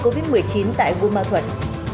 covid một mươi chín tại vua ma thuận